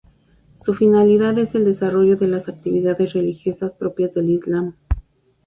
Su finalidad es el desarrollo de las actividades religiosas propias del Islam.